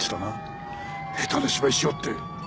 下手な芝居しおって！